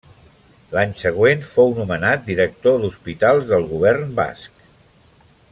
L'any següent fou nomenat Director d'Hospitals del Govern Basc.